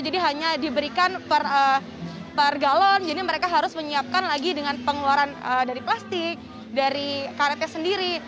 jadi hanya diberikan per galon jadi mereka harus menyiapkan lagi dengan pengeluaran dari plastik dari karetnya sendiri